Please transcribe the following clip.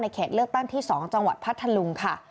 เขตเลือกตั้งที่๒จังหวัดพัทธลุงค่ะ